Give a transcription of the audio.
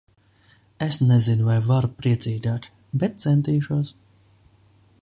Es nezinu, vai varu priecīgāk, bet centīšos.